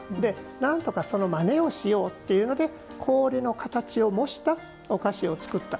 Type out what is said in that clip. なんとか、そのまねをしようというので氷の形を模したお菓子を作った。